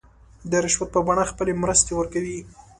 د رشوت په بڼه خپلې مرستې ورکوي.